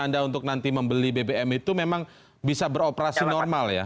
anda untuk nanti membeli bbm itu memang bisa beroperasi normal ya